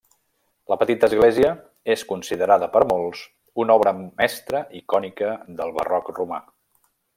La petita església és considerada per molts una obra mestra icònica de barroc romà.